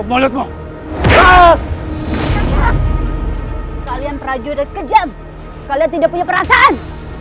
mulutmu kalian prajurit kejam kalian tidak punya perasaan